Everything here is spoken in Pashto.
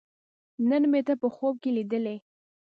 نن مې ته په خوب کې لیدلې